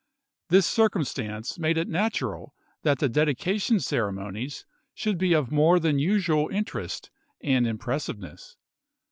This circumstance made it natural that the dedication ceremonies should be of more than usual interest and impres siveness.